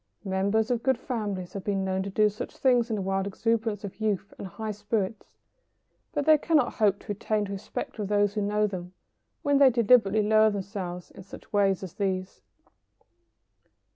Members of good families have been known to do such things in the wild exuberance of youth and high spirits, but they cannot hope to retain the respect of those who know them when they deliberately lower themselves in such ways as these. [Sidenote: The risk to one's good name.